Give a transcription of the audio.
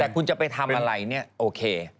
แต่คุณจะไปทำอะไรเนี่ยโอเค